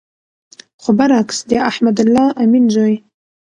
خو بر عکس د احمد الله امین زوی